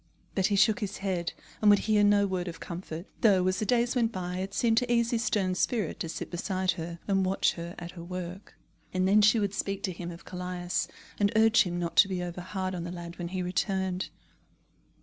But he shook his head, and would hear no word of comfort, though, as the days went by, it seemed to ease his stern spirit to sit beside her, and watch her at her work. And then she would speak to him of Callias, and urge him not to be over hard on the lad when he returned.